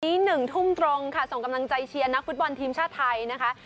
๑ทุ่มตรงค่ะส่งกำลังใจเชียร์นักฟุตบอลทีมชาติไทยนะคะ